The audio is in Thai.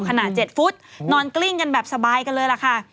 ขนาด๗ฟุตนอนกลิ้งกันแบบสบายกันเลยล่ะค่ะ